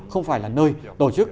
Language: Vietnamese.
không phải là nơi tổ chức